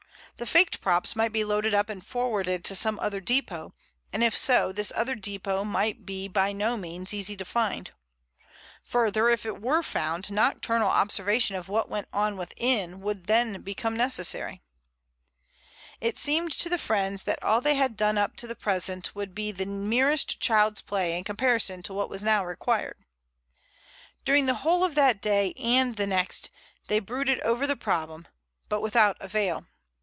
The faked props might be loaded up and forwarded to some other depot, and, if so, this other depot might be by no means easy to find. Further, if it were found, nocturnal observation of what went on within would then become necessary. It seemed to the friends that all they had done up to the present would be the merest child's play in comparison to what was now required. During the whole of that day and the next they brooded over the problem, but without avail.